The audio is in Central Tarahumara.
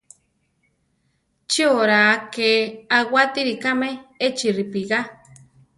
Chi oraa ké awátiri kame echi ripigá?